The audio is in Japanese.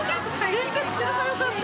連絡すればよかった。